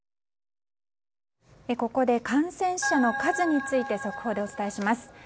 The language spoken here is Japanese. ここで感染者の数について速報でお伝えします。